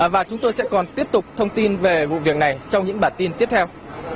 và chúng tôi sẽ còn tiếp tục thông tin về vụ việc này trong những bản tin tiếp theo